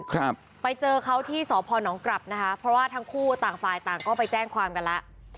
ครับไปเจอเขาที่สพนกลับนะคะเพราะว่าทั้งคู่ต่างฝ่ายต่างก็ไปแจ้งความกันแล้ว